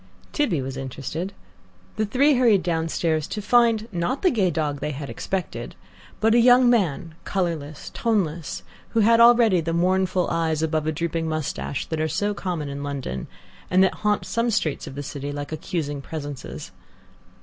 Tibby was interested. The three hurried downstairs, to find, not the gay dog they expected, but a young man, colourless, toneless, who had already the mournful eyes above a drooping moustache that are so common in London, and that haunt some streets of the city like accusing presences.